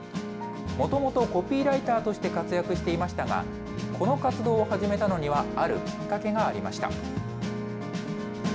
もともとコピーライターとして活躍していましたが、この活動を始めたのには、あるきっかけがありました。